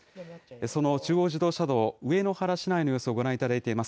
その中央自動車道、上野原市内の様子をご覧いただいています。